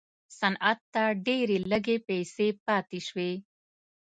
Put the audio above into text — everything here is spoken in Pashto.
صنعت ته ډېرې لږې پیسې پاتې شوې.